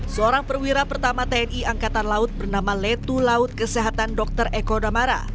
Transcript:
seorang perwira pertama tni angkatan laut bernama letu laut kesehatan dr eko damara